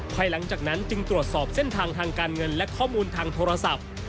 ภายหลังจากนั้นจึงตรวจสอบเส้นทางทางการเงินและข้อมูลทางโทรศัพท์